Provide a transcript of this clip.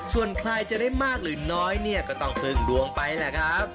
ส่วนใครจะได้มากหรือน้อยเนี่ยก็ต้องพึ่งดวงไปแหละครับ